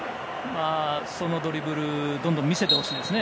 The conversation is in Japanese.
そのドリブルをどんどん見せてほしいですね